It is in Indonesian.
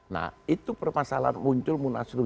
nah itu permasalahan muncul munaslup